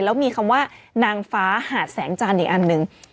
แล้วมีคำว่านางฟ้าหาดแสงจันทร์อีกอันหนึ่ง